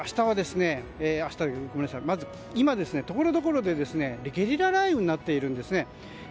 今、ところどころでゲリラ雷雨になっているんですね。